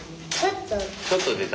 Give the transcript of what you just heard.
ちょっと出た？